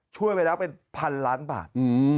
ช่วยไปแล้วเป็นพันล้านบาท